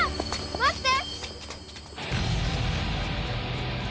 待って！